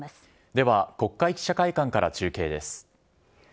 では国会記者会館から中継です。